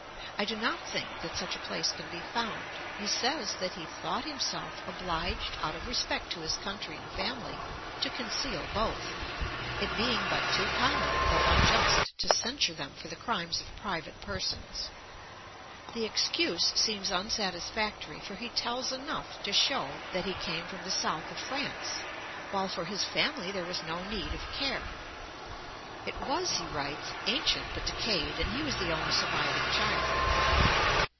I do not think that such a place can be found. He says (p. 59) that he thought himself 'obliged out of respect to his country and family to conceal both, it being but too common, though unjust, to censure them for the crimes of private persons.' The excuse seems unsatisfactory, for he tells enough to shew that he came from the South of France, while for his family there was no need of care. It was, he writes, 'ancient but decayed,' and he was the only surviving child.